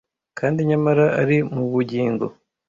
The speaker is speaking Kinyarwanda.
kandi nyamara ari mu bugingo